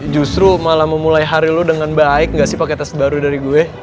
justru malah memulai hari lo dengan baik gak sih pake tas baru dari gue